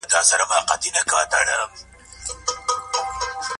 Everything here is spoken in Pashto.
پښتورګي د وینې څخه غیر ضروري مواد جلا کوي.